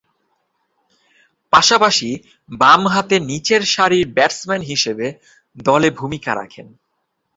পাশাপাশি বামহাতে নিচের সারির ব্যাটসম্যান হিসেবে দলে ভূমিকা রাখেন।